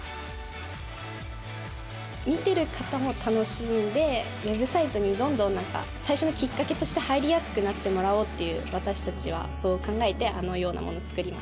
見てる方も楽しんでＷｅｂサイトにどんどん何か最初のきっかけとして入りやすくなってもらおうっていう私たちはそう考えてあのようなものを作りました。